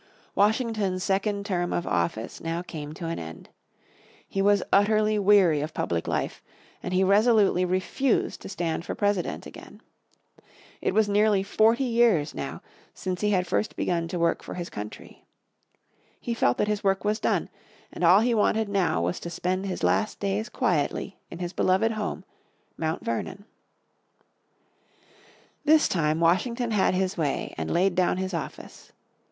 Washington's second term of office now came to an end. He was utterly weary of public life, and he resolutely refused to stand for President again. It was nearly forty years, now, since he had first begun to work for his country. He felt that his work was done, and all he wanted now was to spend his last days quietly in his beloved home, Mount Vernon. This time Washington had his way and laid down his office.